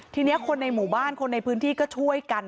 ทีนี้คนในหมู่บ้านคนในพื้นที่ก็ช่วยกัน